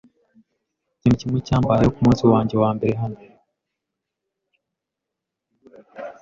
Ikintu kimwe cyambayeho kumunsi wanjye wambere hano.